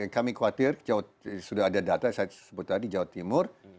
kami khawatir sudah ada data saya sebut tadi jawa timur